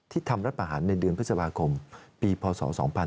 ทำรัฐประหารในเดือนพฤษภาคมปีพศ๒๕๕๙